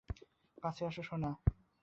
গতকাল বিয়ের আয়োজন করা হয়।